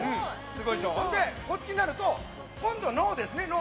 こっちになると今度、脳ですね。